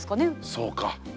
そうか。